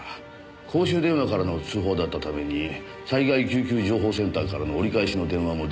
公衆電話からの通報だったために災害救急情報センターからの折り返しの電話も出来ず。